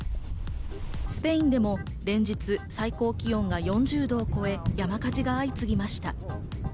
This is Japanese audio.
スペインでも連日最高気温が４０度を超え、山火事が相次ぎました。